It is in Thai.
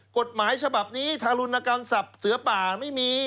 กฎหมายฉบับนี้ทารุณกรรมศัพท์เสือป่าไม่มี